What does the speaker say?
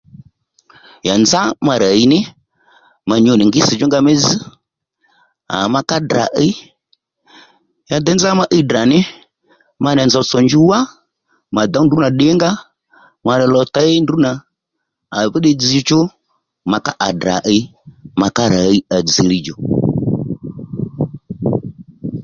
Ya nzá mà rà hiy ní ma nyu nì ngísdjú nga mí zz aa ma ká Ddrà iy ya děy nzá ma íy Ddrà ní ma nì nzòw tsò njuw wá mà dǒw ndrú nà ddìnga ó mà rà lò těy ndrǔ nà aa fú ddiy dzzdjú mà ká à Ddrà iy mà ká rà ɦiy à dzilíy djò